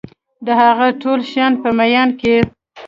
د هغه ټولو شیانو په میان کي